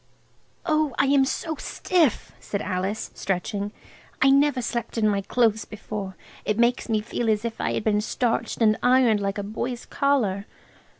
"Oh, I am so stiff," said Alice, stretching. "I never slept in my clothes before. It makes me feel as if I had been starched and ironed like a boy's collar."